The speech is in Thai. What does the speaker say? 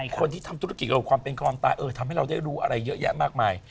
คนที่ทำธุรกิจเกี่ยวกับความเป็นความตายเออทำให้เราได้รู้อะไรเยอะแยะมากมาย